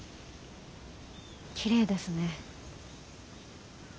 きれいですね。